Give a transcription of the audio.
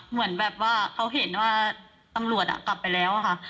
เหมือนแบบว่าเขาเห็นว่าตำรวจกลับไปแล้วค่ะ